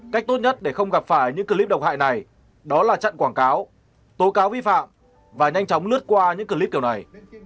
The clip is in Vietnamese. cách tốt nhất để không gặp phải những clip độc hại này đó là chặn quảng cáo tố cáo vi phạm và nhanh chóng lướt qua những clip kiểu này